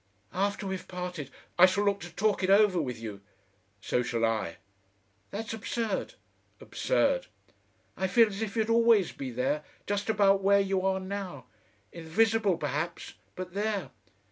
"After we've parted I shall look to talk it over with you." "So shall I." "That's absurd." "Absurd." "I feel as if you'd always be there, just about where you are now. Invisible perhaps, but there.